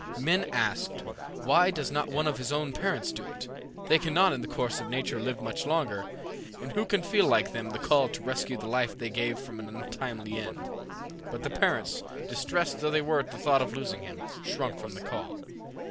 Men asked, "Why does not one of his parents do it? They cannot in the course of nature live much longer, and who can feel like them the call to rescue the life they gave from an untimely end?" But the parents, distressed though they were at the thought of losing him, shrunk from the call.